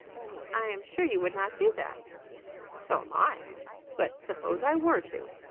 "I am sure you would not do that." "So am I. But suppose I were to?